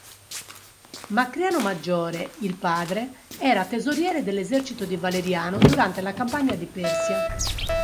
Macriano Maggiore, il padre, era tesoriere dell'esercito di Valeriano durante la campagna di Persia.